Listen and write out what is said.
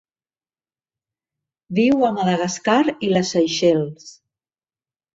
Viu a Madagascar i les Seychelles.